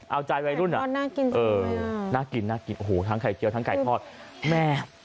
เอาใจไว้รุ่นอะเออน่ากินทั้งไข่เจียวทั้งไข่ทอดแม่